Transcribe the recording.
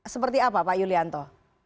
seperti apa pak yulianto